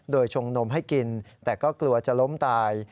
โดยชงนมให้กินแต่ก็กลัวจะล้มตาย